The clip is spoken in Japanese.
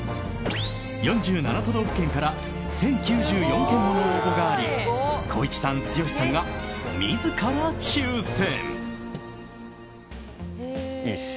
４７都道府県から１０９４件もの応募があり光一さん、剛さんが自ら抽選。